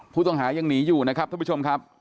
ผู้ต้องหายังหนีอยู่นะครับท่านผู้ชมครับ